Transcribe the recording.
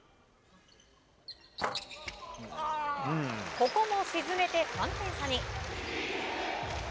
ここも沈めて３点差に。